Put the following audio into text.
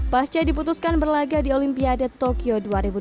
pasca diputuskan berlaga di olimpiade tokyo dua ribu dua puluh